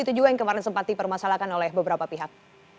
itu juga yang kemarin sempat dipermasalahkan oleh beberapa pihak